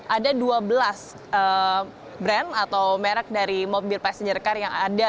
ada dua belas brand atau merek dari mobil passenger car yang ada